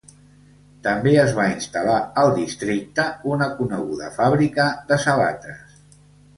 També es va instal·lar al districte una coneguda fàbrica de sabates.